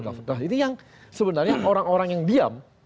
nah itu yang sebenarnya orang orang yang diam